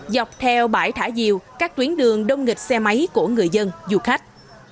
dọc theo bãi thả diều các tuyến đường đông nghịch xe máy của người dân du khách